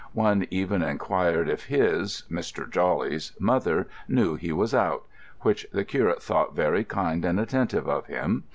One even inquired if his—Mr. Jawley's—mother knew he was out; which the curate thought very kind and attentive of him.